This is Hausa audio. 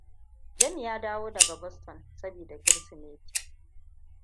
Jami ya dawo daga Boston saboda Kirsimeti.